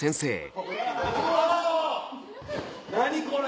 何これ！